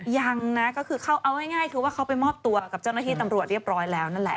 ยังนะก็คือเขาเอาง่ายคือว่าเขาไปมอบตัวกับเจ้าหน้าที่ตำรวจเรียบร้อยแล้วนั่นแหละ